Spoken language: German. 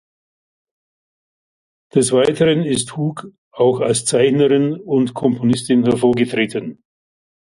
Des Weiteren ist Hug auch als Zeichnerin und Komponistin hervorgetreten.